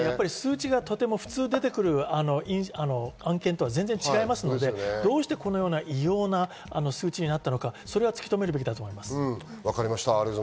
普通に出てくる数値とは案件が違いますので、どうしてこのような異様な数値になったのか、突きとめるべきだと思います。